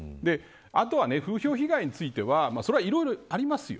あとは風評被害についてはそれはいろいろありますよ。